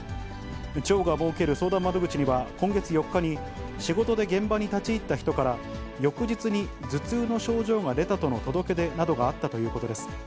町が設ける相談窓口には、今月４日に仕事で現場に立ち入った人から、翌日に頭痛の症状が出たとの届け出などがあったということです。